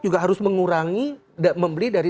juga harus mengurangi membeli dari